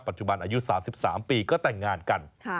ปัจจุบันอายุ๓๓ปีก็แต่งงานกัน